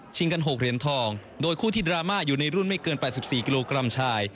กัน๖เหรียญทองโดยคู่ที่ดราม่าอยู่ในรุ่นไม่เกิน๘๔กิโลกรัมชาย